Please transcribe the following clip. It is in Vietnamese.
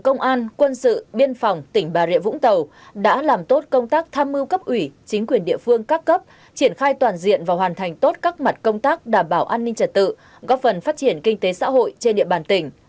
công an quân sự biên phòng tỉnh bà rịa vũng tàu đã làm tốt công tác tham mưu cấp ủy chính quyền địa phương các cấp triển khai toàn diện và hoàn thành tốt các mặt công tác đảm bảo an ninh trật tự góp phần phát triển kinh tế xã hội trên địa bàn tỉnh